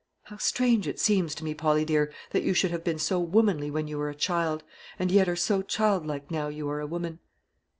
How strange it seems to me, Polly dear, that you should have been so womanly when you were a child, and yet are so childlike now you are a woman!"